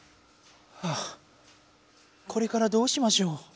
はぁこれからどうしましょう。